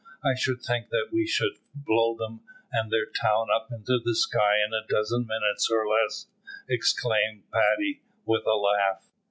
I should think that we should blow them and their town up into the sky in a dozen minutes or less," exclaimed Paddy, with a laugh.